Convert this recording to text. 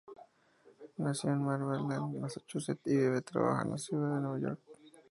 Nació en Marblehead, Massachusetts y vive y trabaja en la ciudad de Nueva York.